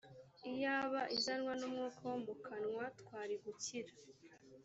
iyaba izanwa n’umwuka wo mu kanwa twari gukira